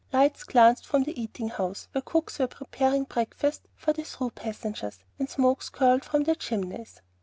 Lights glanced from the eating house, where cooks were preparing breakfast for the "through" passengers, and smokes curled from the chimneys.